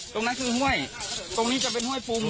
ตรงนั้นคือห้วยตรงนี้จะเป็นห้วยปรุง